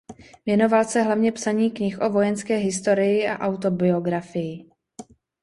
Věnoval se hlavně psaní knih o vojenské historii a autobiografii.